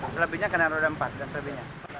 selebihnya kendaraan roda empat